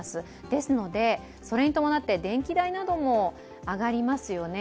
ですので、それに伴って電気代なども上がりますよね。